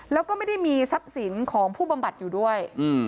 แล้วก็ไม่ได้มีทรัพย์สินของผู้บำบัดอยู่ด้วย